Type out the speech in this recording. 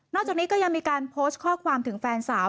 จากนี้ก็ยังมีการโพสต์ข้อความถึงแฟนสาว